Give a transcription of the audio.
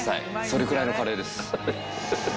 それくらいのカレーです。